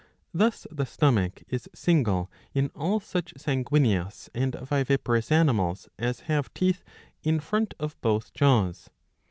Thus the stomach is single in all such sanguineous and viviparous animals as have teeth in front of both jaws.